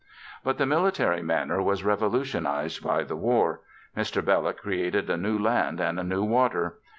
But the military manner was revolutionized by the war. Mr. Belloc created a new Land and a new Water.